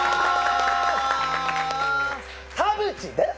田渕です！